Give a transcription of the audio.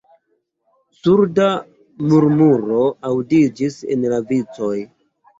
Surda murmuro aŭdiĝis en la vicoj.